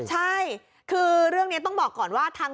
ใช่คือเรื่องนี้ต้องบอกก่อนว่าทาง